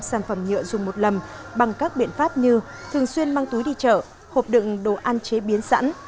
sản phẩm nhựa dùng một lầm bằng các biện pháp như thường xuyên mang túi đi chợ hộp đựng đồ ăn chế biến sẵn